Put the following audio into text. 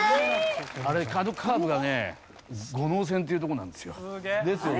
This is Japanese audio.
あのカーブがね五能線っていうとこなんですよ。ですよね？